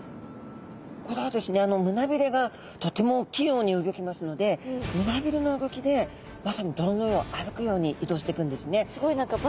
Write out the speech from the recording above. これはですね胸びれがとても器用にうギョきますので胸びれの動きでまさに泥の上を歩くように移動していくんですね。